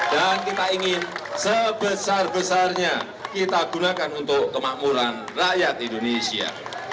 dan kita ingin sebesar besarnya kita gunakan untuk kemakmuran rakyat indonesia